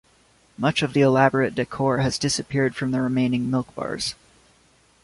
Much of the elaborate decor has disappeared from the remaining milk bars.